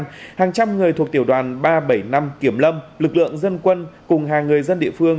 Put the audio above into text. trong đó hàng trăm người thuộc tiểu đoàn ba trăm bảy mươi năm kiểm lâm lực lượng dân quân cùng hàng người dân địa phương